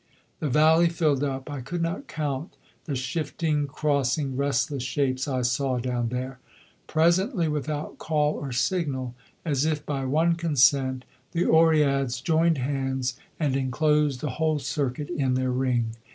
The valley filled up; I could not count the shifting, crossing, restless shapes I saw down there. Presently, without call or signal, as if by one consent, the Oreads joined hands and enclosed the whole circuit in their ring.